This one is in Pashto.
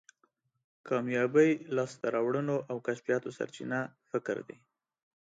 کامیابی، لاسته راوړنو او کشفیاتو سرچینه فکر دی.